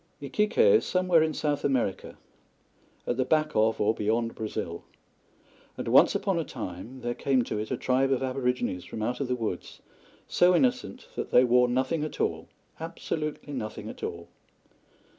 Iquique is somewhere in South America at the back of or beyond Brazil and once upon a time there came to it a tribe of Aborigines from out of the woods, so innocent that they wore nothing at all absolutely nothing at all.